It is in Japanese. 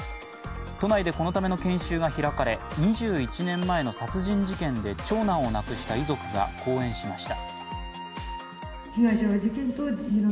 都内でこのための研修が開かれ、２１年前の殺人事件で長男を亡くした遺族が講演しました。